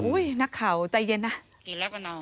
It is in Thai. นักข่าวใจเย็นนะกินแล้วก็นอน